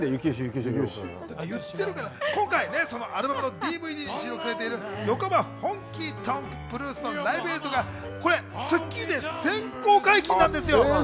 今回そのアルバムのＤＶＤに収録されている『横浜ホンキー・トンク・ブルース』のライブ映像が『スッキリ』で先行解禁なんですよ。